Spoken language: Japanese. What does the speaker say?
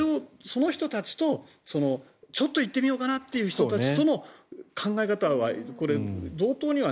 その人たちとちょっと行ってみようかなという人たちの考え方は、同等には。